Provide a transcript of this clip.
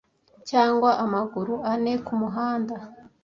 cyangwa amaguru ane kumuhanda